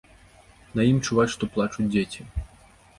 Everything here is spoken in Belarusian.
На ім чуваць, што плачуць дзеці.